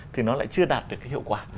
thì nó lại chưa đạt được cái hiệu quả